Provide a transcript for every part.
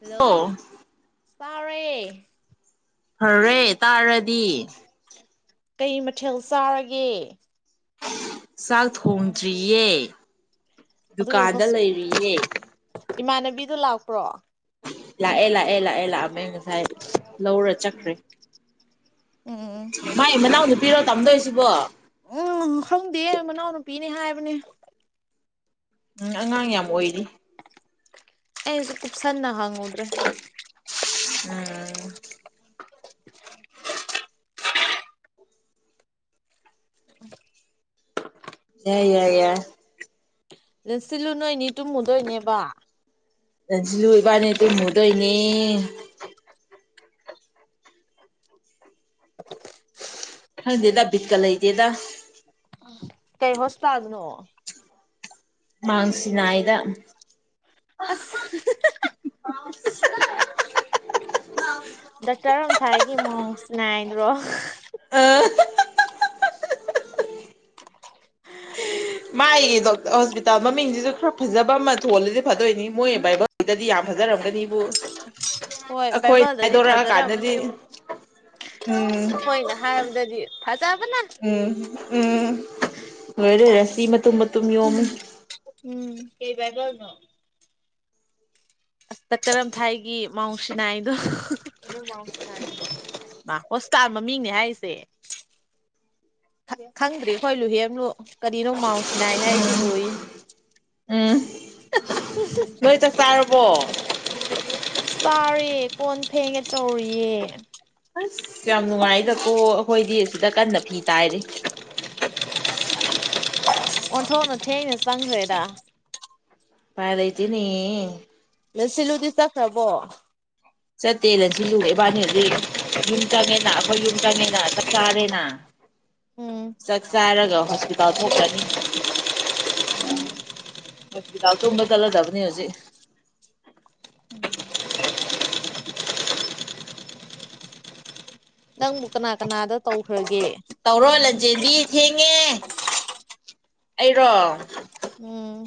Hello ꯑꯣ ꯆꯥꯔꯦ ꯐꯔꯦ ꯇꯥꯔꯗꯤ ꯀꯩ ꯃꯊꯦꯜ ꯆꯥꯔꯒꯦ ꯆꯥꯛ ꯊꯣꯡꯗ꯭ꯔꯤꯌꯦ ꯑꯗꯨꯒ ꯗꯨꯀꯥꯟꯗ ꯂꯩꯔꯤꯌꯦ ꯏꯃꯥꯟꯅꯕꯤꯗꯣ ꯂꯥꯛꯄ꯭ꯔꯣ ꯂꯥꯛ ꯑꯦꯂꯥꯛꯑꯂꯥꯛꯑꯦ ꯂꯛꯑꯝꯃꯦ꯫ ꯂꯥꯏꯔꯤꯛ ꯂꯧꯔ ꯆꯠꯈ꯭ꯔꯦ ꯎꯝ ꯃꯥꯏ ꯃꯅꯥꯎꯅꯨ ꯎꯝ ꯍꯪꯗ ꯃꯅꯥꯅ ꯄꯤꯅꯤ ꯍꯥꯏꯥꯏꯕꯅꯤ ꯎꯝ ꯑꯉꯥꯡ ꯌꯥꯝ ꯑꯣꯏꯔꯤ ꯑꯦ ꯎꯨꯞꯁꯥꯟꯅꯍꯉ ꯎꯝ ꯌꯥꯏ ꯌꯥꯏ ꯌꯥꯏ ꯁꯤꯜꯂꯨ ꯅꯣꯏꯅꯤ ꯇꯨꯝꯃꯨꯗꯣꯏꯅꯦꯕ ꯑꯗꯨꯁꯤ ꯂꯣꯏꯕꯅꯤ ꯇ ꯍꯨꯗꯣꯏꯅꯦ ꯈꯪꯗꯦꯗ ꯕꯤꯠꯀ ꯂꯩ ꯂꯩꯗꯦꯗ ꯀꯩ ꯍꯣꯁꯇꯥꯗꯅꯣ ꯃꯥꯥꯡꯁꯤꯤꯟꯏꯗ ꯑꯁ ꯗꯇꯔꯝ ꯊꯥꯏꯒꯤ ꯃꯑꯣꯡꯁ ꯅꯥꯏꯗ꯭ꯔꯣ ꯑ ꯃꯥꯥꯏꯌꯦ ꯗ ꯍꯣꯁꯄꯤꯇꯥꯜ ꯃꯃꯤꯡꯁꯤꯁꯨ ꯈꯔ ꯐꯖꯕ ꯑꯃ ꯊꯣꯜꯂꯗꯤ ꯐꯗꯣꯏꯅꯤ ꯃꯣꯏ ꯕꯥꯏꯕꯛꯇꯗꯤ ꯌꯥꯝ ꯐꯖꯔꯝꯒꯅꯤꯕꯨ ꯍꯣꯏ ꯑꯩꯈꯣꯏ ꯕꯥꯏꯕꯜꯗꯗꯤ ꯐꯖꯔꯝꯃꯅꯦ ꯍꯥꯏꯗꯣꯔꯛꯑꯀꯥꯟꯗꯗꯤ ꯎꯝ ꯍꯣꯏꯅ ꯍꯥꯏꯔꯕꯗꯗꯤ ꯐꯖꯕꯅ ꯎꯝ ꯎꯝ ꯑꯣꯏꯣꯏꯔꯔꯁꯤ ꯃꯇꯨꯝ ꯃꯇꯨꯝ ꯌꯣꯝꯃꯤ ꯎꯝ ꯀꯩ ꯒꯔꯅꯣ ꯑꯁ ꯀꯔꯝꯊꯥꯏꯒꯤ ꯃꯥꯎ ꯁꯤꯅꯥꯏꯗꯣ ꯍꯣꯁꯄꯤꯇꯥꯜ ꯃꯃꯤꯡꯅꯦ ꯍꯥꯏꯔꯤꯁꯦ ꯈꯪꯗ꯭ꯔꯤ ꯑꯩꯈꯣꯏ ꯂꯨꯍꯦꯟꯂꯨ ꯀꯔꯤꯅꯣ ꯃꯥꯎꯟ ꯁꯤꯅꯥꯏ ꯍꯥꯏꯁꯤꯕꯨ ꯍꯣꯏ ꯇ ꯆ ꯕ ꯆꯥꯔꯤ ꯀꯣꯟ ꯐꯦꯡꯉꯦ ꯆꯧꯔꯤꯌꯦ ꯌꯥꯝ ꯅꯨꯡꯉꯥꯏꯗꯀꯣ ꯑꯩꯈꯣꯏꯗꯤ ꯁꯤꯗ ꯀꯟꯅ ꯐꯤ ꯇꯥꯏꯔꯤ ꯑꯣꯟꯊꯣꯛꯅ ꯊꯦꯡꯅ ꯆꯪꯈ꯭ꯔꯦꯗ ꯄꯥꯏꯗꯩꯇꯦꯅꯤ ꯅ ꯁꯤꯜꯂꯨꯗꯤ ꯆꯠꯈ꯭ꯔꯕꯣ ꯆꯠꯇꯦꯅ ꯁꯤꯜꯂꯨꯔꯦ ꯏꯕꯥꯅꯤ ꯍꯧꯖꯤꯛ ꯌꯨꯝ ꯆꯪꯉꯦꯅ ꯑꯩꯈꯣꯏ ꯌꯨꯝ ꯆꯪꯉꯦꯅ ꯆꯞ ꯆꯥꯔꯦꯅ ꯎꯝ ꯆꯥꯛ ꯆꯥꯔꯒ ꯍꯣꯁꯄꯤꯇꯥꯜ ꯊꯣꯛꯈꯂ꯭ꯔꯅꯤ ꯍꯤꯗꯥꯎ ꯇꯨꯝꯕ ꯆꯠꯂꯗꯕꯅꯤ ꯍꯧꯖꯤꯛ ꯎꯝ ꯅꯪꯕꯨ ꯀꯅꯥ ꯀꯅꯥꯗ ꯇꯧꯈ꯭ꯔꯒꯦ ꯇꯧꯔꯣ ꯂꯟꯖꯦꯟꯕꯤ ꯊꯦꯡꯉꯦ ꯑꯩꯔꯣ ꯎꯝ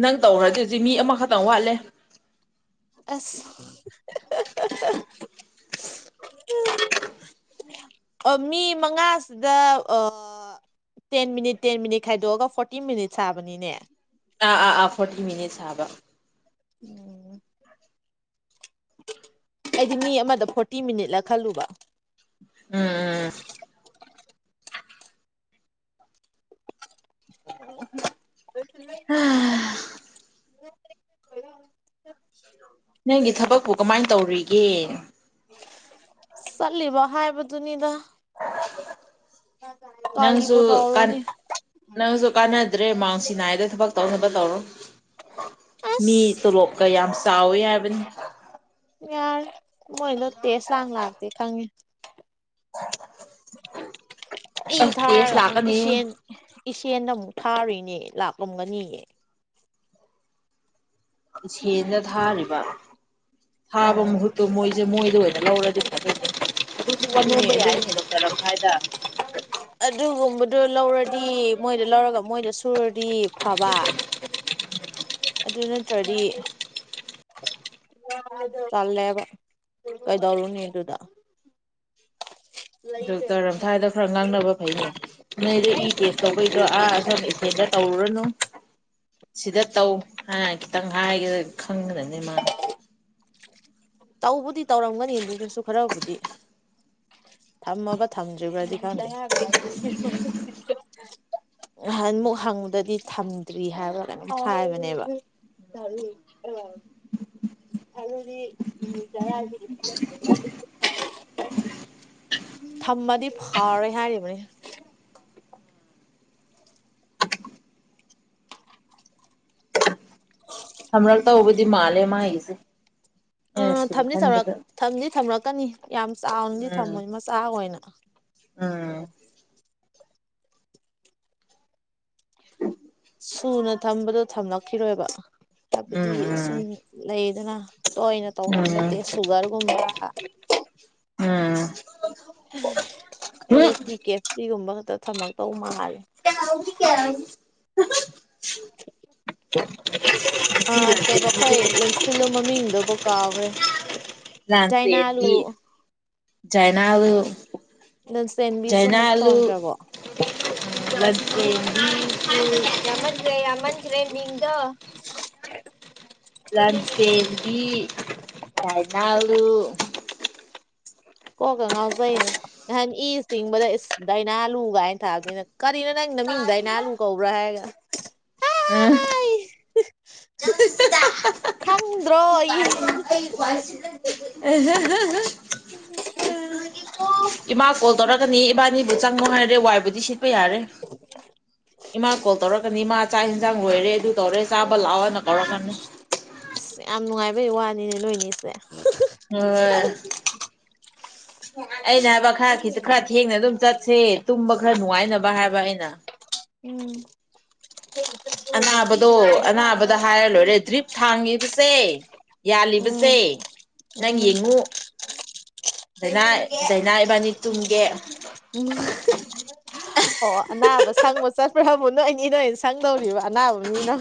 ꯅꯪ ꯇꯧꯈ꯭ꯔꯗꯤꯖꯤ ꯃꯤ ꯑꯃꯈꯛꯇꯪ ꯋꯥꯠꯂꯦ ꯑꯁ [inaudible] ꯃꯤ ꯃꯉꯥꯁꯤꯗ ꯇꯦꯟ ꯃꯤꯅꯤꯠ ꯇꯦꯟ ꯃꯤꯅꯤꯠ ꯈꯥꯏꯗꯣꯛꯑꯒ ꯐꯣꯔꯇꯤꯟ ꯃꯤꯅꯤꯠ ꯁꯥꯕꯅꯤꯅꯦ ꯑꯥ ꯑꯥ ꯑꯥ ꯐꯣꯔꯇꯤ ꯃꯤꯅꯤꯠꯁ ꯍꯥꯕ ꯎꯝ ꯑꯩꯗꯤ ꯃꯤ ꯑꯃꯗ ꯐꯣꯔꯇꯤ ꯃꯤꯅꯤꯠꯂ ꯈꯜꯂꯨꯕ ꯎꯝ ꯎꯝ [inaudible] ꯎꯝ [inaudible] [inaudible] ꯅꯪꯒꯤ ꯊꯕꯛꯄꯨ ꯀꯃꯥꯏꯅ ꯇꯧꯔꯤꯒꯦ ꯎꯝ ꯆꯠꯂꯤꯕ ꯍꯥꯏꯕꯗꯨꯅꯤꯗ ꯅꯪꯁꯨ ꯀꯔꯤꯕꯨ ꯇꯧꯔꯨꯅꯤ ꯅꯪꯁꯨ ꯀꯥꯟꯅꯗ꯭ꯔꯦ ꯃꯥꯡꯁꯤꯅꯥꯏꯗ ꯊꯕꯛ ꯇꯧꯅꯕ ꯇꯧꯔꯣ ꯃꯤ ꯑꯁ ꯇꯂꯣꯞꯀ ꯌꯥꯝ ꯆꯥꯎꯋꯤ ꯍꯥꯏꯕꯅꯤ ꯌꯥꯔꯦ ꯃꯣꯏꯗꯣ ꯇꯦꯁ ꯂꯥꯡ ꯂꯥꯛꯇꯦ ꯈꯪꯉꯦ ꯏ ꯑꯁ ꯇꯦꯁ ꯊꯥꯔꯒ ꯑꯃꯨꯛ ꯂꯥꯛꯀꯅꯤ ꯏꯆꯦꯟ ꯏꯆꯦꯟꯗ ꯑꯃꯨꯛ ꯊꯥꯔꯤꯅꯦ ꯂꯥꯛꯂꯝꯒꯅꯤꯌꯦ ꯏꯆꯦꯜꯗ ꯊꯥꯔꯤꯕ ꯊꯥꯕ ꯎꯝ ꯃꯍꯨꯠꯇꯣ ꯃꯣꯏꯁꯦ ꯃꯣꯏꯗ ꯑꯣꯏꯅ ꯂꯧꯔꯗꯤ ꯐꯥꯗꯧꯅꯦ ꯑꯗꯨꯅꯦ ꯋꯥ ꯅꯣꯝꯕ ꯌꯥꯏꯅꯦ ꯗꯣꯛꯇꯔ ꯑꯃ ꯍꯥꯏꯗ ꯑꯗꯨ ꯂꯧꯔꯗꯤ ꯃꯣꯏꯗ ꯂꯧꯔꯒ ꯃꯣꯏꯗ ꯁꯨꯔꯗꯤ ꯐꯕ ꯑꯗꯨ ꯅꯠꯇ꯭ꯔꯗꯤ ꯇꯜꯂꯦꯕ ꯀꯩꯗꯧꯔꯨꯅꯦ ꯑꯗꯨꯗ ꯗꯣꯛꯇꯔ ꯑꯝꯊꯥꯏꯗ ꯈꯔ ꯉꯥꯡꯅꯕ ꯐꯩꯅꯦ ꯅ ꯅꯣꯏꯗꯤ ꯏ ꯇꯦꯁ ꯇꯧꯕꯩꯗꯣ ꯑꯥ ꯑꯁꯝ ꯏꯆꯦꯗ ꯇꯧꯔꯨꯅꯨ ꯁꯤꯗ ꯇꯧ ꯍꯥꯏꯅ ꯈꯤꯇꯪ ꯍꯥꯏꯒ ꯈꯪꯈ꯭ꯔꯅꯤ ꯃꯥ ꯇꯧꯕꯗꯤ ꯇꯧꯔꯝꯒꯅꯤ ꯑꯗꯨꯗꯨꯁꯨ ꯈꯔꯕꯨꯗꯤ ꯊꯝꯃꯕ ꯊꯝ ꯖꯒꯗꯤ ꯈꯪꯗꯦ ꯅꯍꯥꯟ ꯃꯨꯛ ꯍꯪꯕꯗꯗꯤ ꯊꯝꯗ꯭ꯔꯤ ꯍꯥꯏꯕ ꯀꯩꯅꯣ ꯍꯥꯏꯕꯅꯦꯕ ꯊꯝꯃꯗꯤ ꯐꯥꯎꯔꯣꯏ ꯍꯥꯏꯔꯤꯕꯅꯤ ꯍꯪꯉꯛꯇꯧꯕꯗꯤ ꯃꯥꯜꯂꯦ ꯃꯥꯒꯤꯁꯦ ꯑꯩꯅ ꯑꯥ ꯁꯨꯝ ꯊꯝꯗꯤ ꯊꯝꯔꯛ ꯈꯟꯕꯗ ꯊꯝꯗꯤ ꯊꯝꯔꯛꯀꯅꯤ ꯌꯥꯝ ꯆꯥꯎꯅꯗꯤ ꯊꯝꯃꯣꯏ ꯃꯆꯥ ꯑꯣꯏꯅ ꯑꯥ ꯁꯨꯅ ꯊꯝꯕꯗ ꯊꯝꯂꯛꯈꯤꯔꯣꯏꯕ ꯍꯥꯏꯕꯗꯤ ꯁꯨꯝ ꯎꯝ ꯂꯩꯗꯅ ꯇꯣꯏꯅ ꯇꯧꯒꯟꯕ ꯎꯝ ꯇꯦꯁ ꯁꯨꯒꯔꯒꯨꯝꯕ ꯎꯝ L A um P K F C ꯒꯨꯝꯕ ꯊꯕꯛ ꯇꯧ ꯃꯥ ꯍꯥꯏ [unintelligible] ꯑ ꯀꯩꯕ ꯑꯈꯣꯏ ꯂꯟꯁꯤꯜꯂꯨ ꯃꯃꯤꯡꯗꯨꯕꯨ ꯀꯥꯎꯒꯔ꯭ꯦ ꯗꯥꯏꯅꯥꯂꯨ ꯂꯥꯟꯆꯦꯟꯕꯤ ꯖꯥꯏꯅꯥꯂꯨ ꯂꯟꯆꯦꯟꯕꯤꯁꯨ ꯑꯃꯨꯛ ꯖꯥꯏꯅꯥꯂꯨ ꯊꯣꯟꯈ꯭ꯔꯕꯣ [unintelligible] ꯌꯥꯃꯈꯔ꯭ꯦ ꯌꯥꯃꯟ ꯈꯔ꯭ꯦ ꯃꯤꯡꯗꯣ ꯌꯥꯥꯏꯗꯥ ꯂꯨ ꯀꯣ ꯀ ꯉꯥꯎ ꯖꯩꯅꯦ ꯅꯍꯥꯟ ꯏ ꯆꯤꯡꯕꯗ ꯗꯥꯏꯅꯥ ꯂꯨ ꯀꯥꯏꯅ ꯊꯥꯕꯅꯤꯅ ꯀꯔꯤꯅꯣ ꯅꯪ ꯅꯃꯤꯡꯗꯥꯏꯅꯂꯨ ꯀꯧꯕ꯭ꯔꯥ ꯍꯥꯏꯔꯒ [unintelligible] [unintelligible] ꯑꯦ [unintelligible] ꯏꯃꯥ ꯀꯣꯜ ꯇꯧꯔꯒꯅꯤ ꯏꯃꯥ ꯑꯩꯕꯨ ꯆꯪꯉꯣ ꯍꯥꯏꯔꯦ ꯋꯥꯏꯕꯨꯗꯤ ꯁꯤꯠ ꯄ ꯌꯥꯔꯦ ꯏꯃꯥ ꯀꯣꯜ ꯇꯧꯔꯛꯀꯅꯤ ꯏꯃꯥ ꯆꯥꯛ ꯏꯟꯖꯥꯡ ꯂꯣꯏꯔꯦ ꯑꯗꯨ ꯇꯧꯔꯦ ꯆꯥꯕ ꯂꯥꯛꯑꯣꯅ ꯀꯧꯔꯛꯀꯅꯤ ꯕꯩ ꯋꯥꯅꯤꯅꯦ ꯅꯣꯏꯅꯤꯁꯦ [unintelligible] ꯑꯩꯅ ꯍꯥꯏꯕ ꯈꯔ ꯈꯤꯇ ꯈꯔ ꯊꯦꯡꯅ ꯑꯗꯨꯝ ꯆꯠꯁꯦ ꯇꯨꯝꯕ ꯈꯔ ꯅꯨꯡꯉꯥꯏꯅꯕ ꯍꯥꯏꯕ ꯑꯩꯅ ꯎꯝ ꯑꯅꯥꯕꯗꯣ ꯑꯅꯥꯕꯗ ꯍꯥꯏꯔ ꯂꯣꯏꯔꯦ ꯗ꯭ꯔꯤꯞ ꯊꯥꯡꯉꯤꯕꯁꯦ ꯎꯝ ꯌꯥꯜꯂꯤꯕꯁꯦ ꯅꯪ ꯎꯝ ꯌꯦꯡꯉꯨ ꯗꯥꯏꯅꯥ ꯗꯥꯏꯅꯥ ꯏꯕꯥꯅꯤ ꯇꯨꯝꯒꯦ ꯎꯝ ꯑꯣ ꯑꯅꯥꯕ ꯁꯪꯕ ꯆꯠꯄꯔꯥ [unintelligible] ꯁꯪꯗꯧꯔꯤꯕ ꯑꯅꯥꯕ ꯃꯤꯅ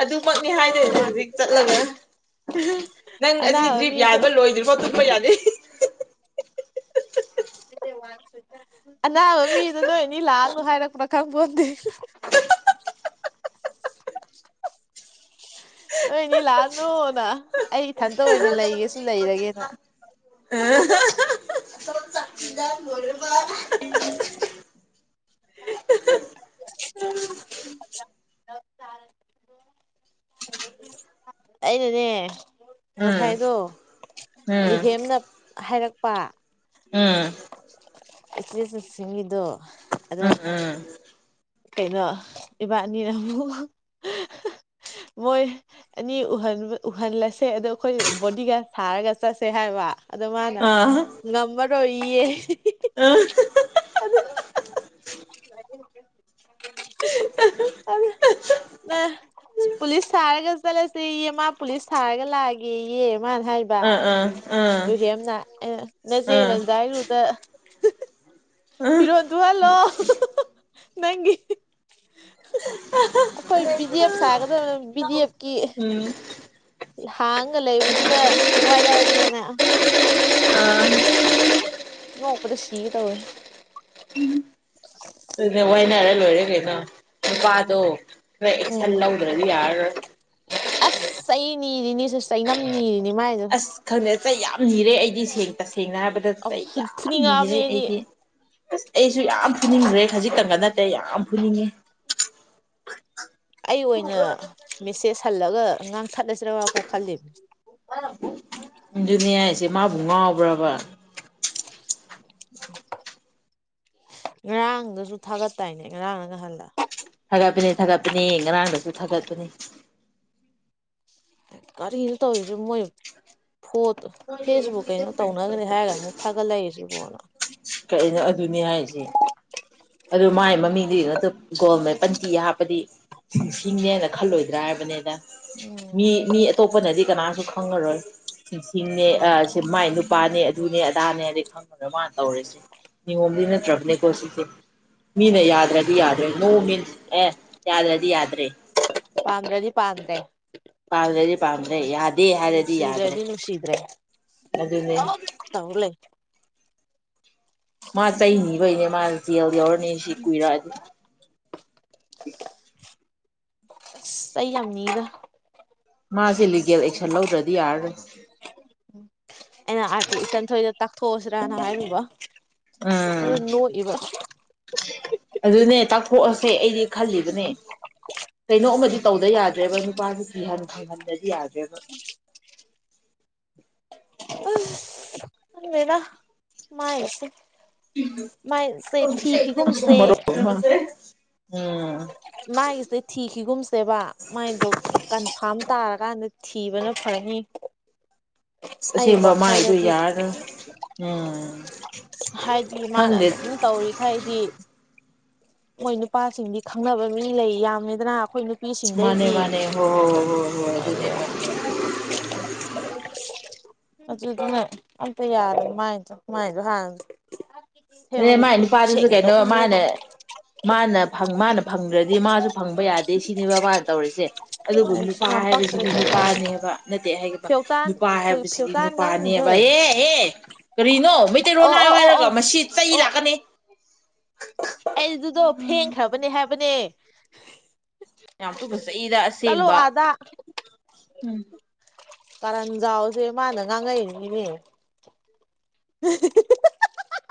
ꯑꯗꯨ ꯃꯛ ꯍꯥꯏꯗꯣꯏ ꯍꯧꯖꯤꯛ ꯆꯠꯂꯒ ꯅꯪ ꯑꯁꯤ ꯑꯅꯥꯕ ꯗ꯭ꯔꯤꯞ ꯌꯥꯟ ꯃꯤꯗꯣ ꯕ ꯂꯣꯏꯗ꯭ꯔꯤꯕꯣ ꯇꯨꯞꯄ ꯌꯥꯗꯦ [unintelligible] ꯑꯅꯥꯕ ꯃꯤꯗꯣ ꯅꯣꯏꯅꯤ ꯂꯥꯛ ꯍꯥꯏꯔꯛꯄ꯭ꯔꯥ ꯈꯪꯕꯣꯟꯗꯦ ꯍꯥ ꯍꯥ ꯍꯍꯥ ꯅꯣꯏꯅꯤ ꯂꯥꯛꯅꯨꯅ ꯑꯩ ꯏꯊꯟꯇ ꯑꯣꯏꯅ ꯂꯩꯒꯦꯁꯨ ꯂꯩꯔꯒꯦꯅ ꯑ [unintelligible] ꯎꯝ [unintelligible] ꯑꯩꯅꯦꯅꯦ ꯉꯁꯥꯏꯗꯣ ꯏ ꯎꯝ ꯍꯦꯦꯝꯅ ꯍꯥꯏꯔꯛꯄ ꯎꯝ ꯑꯁꯤꯆꯁꯨ ꯁꯤꯡꯉꯤꯗꯣ ꯑꯗ ꯎꯝ ꯎꯝ ꯀꯩꯅꯣ ꯏꯕꯥꯅꯤꯅ ꯑꯃꯨꯛ ꯃꯣꯏ ꯑꯅꯤ ꯎꯍꯜꯂꯁꯦ ꯑꯗꯣ ꯑꯩꯈꯣꯏ ꯕꯣꯗꯤ ꯒꯥꯔꯗ ꯁꯥꯔꯒ ꯆꯠꯁꯦ ꯍꯥꯏꯕ ꯑꯗꯣ ꯃꯥꯅ ꯑꯥ ꯑꯥ ꯉꯝꯃꯔꯣꯏ [inaudible] ꯑꯥ ꯑꯗꯨꯗ ꯅ ꯄꯨꯂꯤꯁ ꯊꯔꯒ ꯆꯠꯂꯁꯦ ꯌꯦ ꯃꯥ ꯄꯨꯂꯤꯁ ꯊꯔꯒ ꯂꯥꯛꯑꯒꯦꯌꯦ ꯃꯥꯅ ꯍꯥꯏꯕ ꯑꯥ ꯂꯨꯍꯦꯝꯅ ꯅꯆꯦ ꯑꯥ ꯂꯟꯖꯥꯏꯔꯨꯗ ꯑꯥ ꯐꯤꯔꯣꯟ ꯇꯍꯜꯂꯣ ꯅꯪꯒꯤ ꯑꯩꯈꯣꯏ ꯕꯤꯗꯤ ꯑꯦꯐ ꯁꯥꯒꯗꯕ ꯅ ꯕꯤꯗꯤ ꯑꯦꯐꯀꯤ ꯎꯝ ꯍꯥꯡꯒ ꯂꯩꯕꯗꯨꯗ ꯋꯥꯏꯔꯛꯑꯒꯦꯅ ꯑꯥ ꯅꯣꯡ ꯀꯗ ꯁꯤ ꯇꯧꯦ [inaudible] ꯑꯗꯨ ꯋꯥꯏꯅꯔ ꯂꯣꯏꯔꯦ ꯀꯩꯀ ꯎꯝ ꯅꯨꯄꯥꯗꯣ ꯈꯔꯣꯏ ꯑꯦꯛꯁꯟ ꯎꯝ ꯂꯧꯗ꯭ꯔꯗꯤ ꯌꯥꯣꯏ ꯁꯩꯅꯝꯅꯤ ꯑꯁ ꯈꯪꯗꯦ ꯆꯩ ꯌꯥꯝ ꯅꯤꯔꯦ ꯑꯩꯗꯤ ꯁꯦꯡ ꯇꯁꯦꯡꯅ ꯍꯥꯏꯔꯕꯗ ꯆꯩ ꯌꯥꯝ ꯅꯤꯔꯦ ꯑꯩꯗꯤ ꯑꯁ ꯑꯩꯁꯨ ꯌꯥꯝ ꯐꯨꯅꯤꯡꯈ꯭ꯔꯦ ꯈꯖꯤꯛꯇꯪꯒ ꯅꯠꯇꯦ ꯌꯥꯝ ꯐꯨꯅꯤꯡꯉꯤ ꯑꯩ ꯑꯣꯏꯅ ꯃꯦꯁꯦꯖ ꯍꯜꯂꯒ ꯑꯉꯥꯡ ꯁꯠꯂꯁꯤꯔꯒ ꯄꯣꯛ ꯈꯜꯂꯤꯕ ꯑꯗꯨꯅꯦ ꯍꯥꯏꯁꯦ ꯃꯥꯕꯨ ꯉꯥꯎꯕ꯭ꯔꯕ ꯉꯔꯥꯡꯗꯁꯨ ꯊꯥꯒꯠ ꯇꯏꯅꯦ ꯉꯔꯥꯡꯅ ꯉꯍꯜꯂ ꯊꯥꯒꯠꯄꯤꯅꯤ ꯊꯥꯒꯠꯄꯤꯅꯤ ꯉꯔꯥꯡꯗꯁꯨ ꯊꯥꯒꯠꯄꯅꯤ ꯀꯔꯤꯅ ꯇꯧꯔꯤꯁꯦ ꯃꯣꯏ ꯐꯣꯠꯇ ꯐꯦꯁꯕꯨꯛ ꯀꯩꯅꯣ ꯇꯧꯅꯈ꯭ꯔꯅꯤ ꯍꯥꯏꯔꯒ ꯑꯃꯨꯛ ꯊꯥꯒꯠꯂꯛꯏ ꯁꯤꯕꯣꯅ ꯀꯩꯅꯣ ꯑꯗꯨꯅꯦ ꯍꯥꯏꯁꯦ ꯑꯗꯨ ꯃꯥꯏ ꯃꯃꯤꯡꯗꯨ ꯅ ꯑꯗꯨ ꯒꯣꯜꯃꯦ ꯄꯟꯇꯤ ꯍꯥꯞꯄꯗꯤ ꯁꯤꯡꯅꯦꯦꯅ ꯈꯜꯂꯣꯏꯗ꯭ꯔꯥ ꯍꯥꯏꯕꯅꯤꯅ ꯎꯝ ꯃꯤ ꯃꯤ ꯑꯇꯣꯞꯄꯅꯗꯤ ꯀꯅꯥ ꯗꯨꯁꯪꯒꯔꯣꯏ ꯁꯤꯡꯅꯦ ꯎꯝ ꯁꯤ ꯃꯥꯏ ꯅꯨꯄꯥꯅꯦ ꯑꯗꯨꯅꯦ ꯑꯗꯥꯅꯦꯗꯤ ꯈꯪꯕꯗ ꯃꯥꯅ ꯇꯧꯔꯁꯤꯦ ꯑꯣꯝꯂꯤ ꯅ ꯎꯝ ꯇ꯭ꯔꯛꯅꯤ ꯀꯣꯁꯤꯁꯤ ꯃꯤꯅ ꯌꯥꯗ꯭ꯔꯗꯤ ꯌꯥꯗ꯭ꯔꯦ ꯅꯣꯡ ꯃꯤꯁ ꯑꯦ ꯌꯥꯗ꯭ꯔꯗꯤ ꯌꯥꯗ꯭ꯔꯦ ꯄꯥꯟꯗ꯭ꯔꯗꯤ ꯄꯥꯟꯗ꯭ꯔꯦ ꯄꯥꯝꯗ꯭ꯔꯗꯤ ꯄꯥꯝꯗ꯭ꯔꯦ ꯌꯥꯗꯦ ꯍꯥꯏꯔꯗꯤ ꯌꯥꯗ꯭ꯔꯦ ꯅꯨꯡꯁꯤꯗ꯭ꯔꯗꯤ ꯅꯨꯡꯁꯤꯗ꯭ꯔꯦ ꯑꯗꯨꯅꯦ ꯑꯗꯨꯝ ꯇꯧꯔ ꯂꯩ ꯃꯥ ꯆꯩ ꯅꯤꯕꯩꯅꯦ ꯃꯥ ꯖꯦꯜ ꯌꯧꯔꯅꯤ ꯁꯤ ꯀꯨꯏꯔꯛꯑꯗꯤ ꯑꯩ ꯌꯥꯝꯅꯤꯒ ꯃꯥꯁꯦ ꯂꯤꯒꯦꯜ ꯑꯦꯛꯁꯟ ꯂꯧꯗ꯭ꯔꯗꯤ ꯌꯥꯔꯔꯣꯏ ꯎꯝ ꯑꯦꯅ ꯑꯥꯀꯤ ꯏꯁꯟ ꯊꯗ ꯇ ꯊꯣꯁ꯭ꯔꯥꯅ ꯍꯥꯏꯔꯨꯕ ꯑꯥ ꯑꯗꯨ ꯅꯣꯛꯏꯕ ꯑꯗꯨꯅꯦ ꯇꯥꯛꯊꯣꯛꯑꯁꯦ ꯑꯩꯗꯤ ꯈꯜꯂꯤꯕꯅꯦ ꯀꯩꯅꯣꯃ ꯇꯧꯗ ꯌꯥꯗ꯭ꯔꯦꯕ ꯅꯨꯄꯥꯁꯨ ꯀꯤꯍꯟ ꯈꯪꯕꯜꯂꯤ ꯅꯗꯤ ꯑꯒꯦꯕ ꯎꯜꯃꯦꯗꯥ ꯃꯥꯥꯏꯁꯦ ꯃꯥꯏ ꯁꯦ ꯊꯤꯈꯤꯒꯨꯝꯁꯦ ꯃꯔꯣꯜ ꯑꯃ ꯎꯝ ꯃꯥꯒꯤꯁꯦ ꯊꯤꯈꯤꯒꯨꯝꯁꯦꯕ ꯃꯥꯏꯗꯣ ꯀꯟꯐꯥꯝ ꯇꯥꯔ ꯀꯥꯟꯗ ꯊꯤꯕꯅ ꯐꯪꯅꯤ ꯑꯩ ꯑꯁꯦꯡꯕ ꯃꯥꯏꯗꯣ ꯋꯥꯈꯜꯗꯗꯤ ꯌꯥꯔꯔꯣꯏ ꯎꯝ ꯍꯥꯏꯗꯤ ꯃꯥꯅ ꯈꯪꯗꯦ ꯑꯗꯨꯝ ꯇꯧꯔꯤꯈꯩꯗꯤ ꯃꯣꯏ ꯅꯨꯄꯥꯁꯤꯡꯗꯤ ꯈꯪꯅꯕ ꯃꯤ ꯂꯩ ꯌꯥꯝꯅꯤꯗꯅ ꯑꯩꯈꯣꯏ ꯃꯥꯅꯦ ꯅꯨꯄꯤꯁꯤꯡꯗꯩꯗꯤ ꯃꯥꯅꯦ ꯍꯣ ꯍꯣ ꯍ ꯍꯣ ꯍꯣ ꯑꯗꯨ ꯑꯗꯨꯅꯤ ꯑꯗꯨꯗꯨꯅꯦ ꯑꯝꯇ ꯌꯥꯔꯦ ꯃꯥꯏꯗꯣ ꯃꯥꯏꯗꯣ ꯍꯥꯡꯦ ꯑꯦ ꯃꯥꯏ ꯅꯨꯄꯥꯗꯨꯁꯨ ꯀꯩꯅꯣ ꯃꯥꯅ ꯃꯥꯅ ꯃꯥꯅ ꯐꯪꯗ꯭ꯔꯗꯤ ꯃꯥꯁꯨ ꯐꯪꯕ ꯌꯥꯗꯦ ꯁꯤꯅꯦꯕ ꯃꯥꯅ ꯇꯧꯔꯤꯁꯦ ꯑꯗꯨꯕꯨ ꯅꯨꯄꯥ ꯌꯥꯝ ꯄꯛꯇ꯭ꯔꯦ ꯍꯥꯏꯕꯁꯤꯗꯤ ꯆꯠꯂꯣꯍꯦ ꯅꯨꯄꯥꯅꯦꯕ ꯅꯠꯇꯦ ꯍꯥꯏꯒ ꯐꯦꯎꯇꯥꯟ ꯅꯨ ꯍꯥꯏꯕꯁꯤꯗꯤ ꯐꯦꯎꯇꯥꯟ ꯒꯥꯡ ꯅꯨꯄꯥꯅꯦꯕ ꯃꯤꯊꯣꯏ ꯑꯦ ꯑꯦ ꯀꯔꯤꯅꯣ ꯃꯩꯇꯩꯔꯣꯟ ꯑꯣ ꯑꯣ ꯍꯥꯏꯅꯥꯌꯣ ꯑꯣ ꯍꯥꯏꯔꯒ ꯃꯁꯤ ꯆꯩ ꯑꯣ ꯂꯥꯛꯀꯅꯤ [inaudible] ꯑꯩꯗꯨꯗꯣ ꯐꯦꯡꯈ꯭ꯔꯕꯅꯦ ꯍꯥꯏꯕꯅꯦ ꯌꯥꯝ ꯇꯨꯀꯆꯩꯗ ꯆꯠꯂꯣ ꯑꯁꯦꯡꯕ ꯑꯥꯗ ꯎꯝ ꯀꯔꯥꯟꯖꯎꯁꯦ ꯃꯥꯅ ꯉꯥꯡꯩ ꯏꯅꯦ [inaudible]